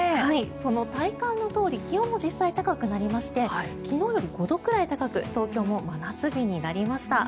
その体感のとおり気温も実際に高くなりまして昨日より５度くらい高く東京も真夏日になりました。